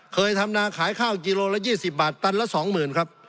เคยทำนาขายข้าวกิโลละ๒๐บาทตันละ๒๐๐๐ครับ